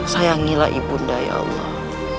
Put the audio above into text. sayangilah ibunda ya allah